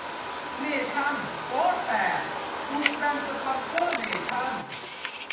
เนชั่นโป๊ะแตก ถูก แบนสปอนเซอร์เนชั่น